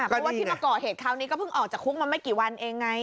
เพราะว่าที่มาก่อเหตุคราวนี้ก็เพิ่งออกจากคุกมาไม่กี่วันเองไง